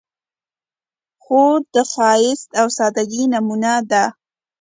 خور د ښایست او سادګۍ نمونه ده.